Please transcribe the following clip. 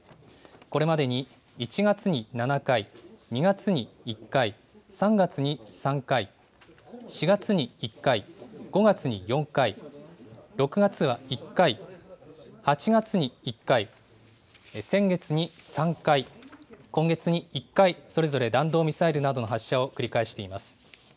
これまでに１月に７回、２月に１回、３月に３回、４月に１回、５月に４回、６月は１回、８月に１回、先月に３回、今月に１回、それぞれ弾道ミサイルなどの発射を繰り返しています。